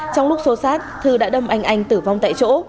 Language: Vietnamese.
trong lúc xô sát thư đã đâm anh anh tử vong tại chỗ